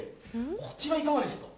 こちらいかがですか？